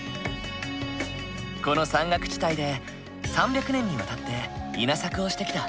この山岳地帯で３００年にわたって稲作をしてきた。